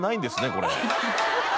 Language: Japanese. これ。